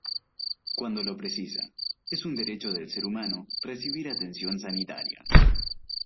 Cuando lo precisa, es un derecho del ser humano recibir atención sanitaria.